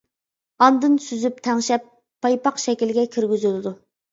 ئاندىن سۈزۈپ، تەڭشەپ پايپاق شەكلىگە كىرگۈزۈلىدۇ.